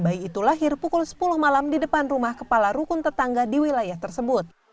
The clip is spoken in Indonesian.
bayi itu lahir pukul sepuluh malam di depan rumah kepala rukun tetangga di wilayah tersebut